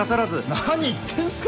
何言ってんすか。